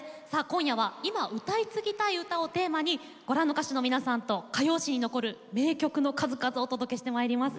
今夜は「今、歌い継ぎたい歌」をテーマに、ご覧の歌手の皆さんと歌謡史に残る名曲の数々をお届けしてまいります。